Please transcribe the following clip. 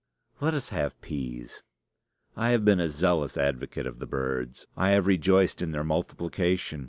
Let us have peas. I have been a zealous advocate of the birds. I have rejoiced in their multiplication.